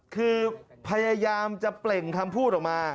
คือพยายามจะเปล่งคำพูดออกมา